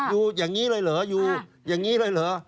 อยู่อย่างนี้เลยเหรออยู่อย่างนี้เลยเหรอ